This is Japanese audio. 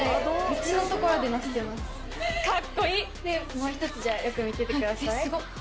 もう一つじゃよく見ててください。